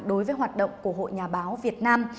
đối với hoạt động của hội nhà báo việt nam